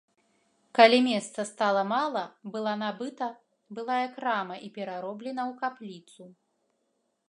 Калі месца стала мала, была набыта былая крама і перароблена ў капліцу.